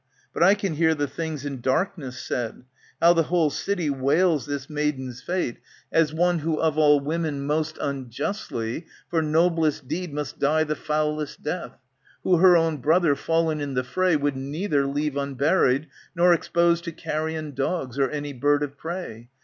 But I can hear the things in darkness said, How the whole city wails this maiden's fate, 164 ANTIGONE As one "who of all women most unjustly, For noblest deed must die the foulest death, Who her own brother, fallen in the fray. Would neither leave unburied, nor expose To carrion dogs, or any bird of prey.